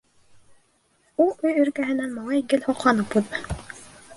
Ул өй эргәһенән малай гел һоҡланып уҙҙы.